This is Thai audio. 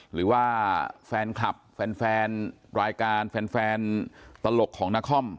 หรือว่าแฟนคลับแฟนรายการแฟนตลกของนคร